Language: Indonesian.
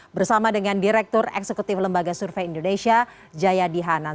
bersama dengan direktur eksekutif lembaga survei indonesia jayadi hanan